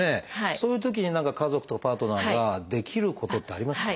そういうときに家族とかパートナーができることってありますか？